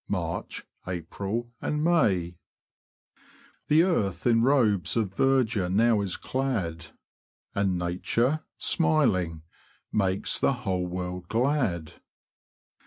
MARCH, APRIL, AND MAY. The earth in robes of verdure now is clad, And Nature, smiHng, makes the whole world glad.